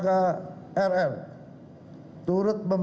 tiga belas hari lebih dari selama dua puluh empat jam